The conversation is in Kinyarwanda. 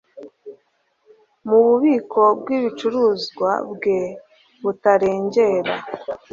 mu bubiko bw ibicuruzwa bwe butarengera